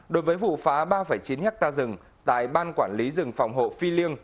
đối với vụ phá ba chín ha rừng tại ban quản lý rừng phòng hộ phi liên